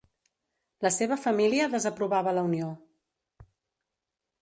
La seva família desaprovava la unió.